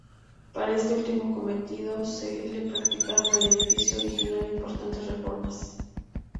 Para este último cometido se le practicaron al edificio original importantes reformas.